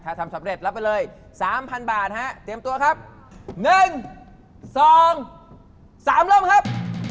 ถ้าทำสำเร็จรับไปเลย๓๐๐บาทฮะเตรียมตัวครับ๑๒๓เริ่มครับ